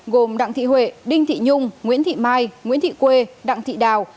gồm đặng thị huệ đinh thị nhung nguyễn thị mai nguyễn thị quê đặng thị đào